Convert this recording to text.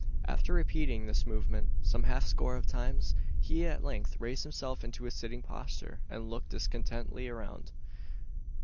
After repeating this movement some half score of times, he at length raised himself into a sitting posture, and looked discontentedly around.